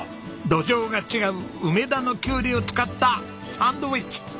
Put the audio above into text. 土壌が違う梅田のきゅうりを使ったサンドイッチ！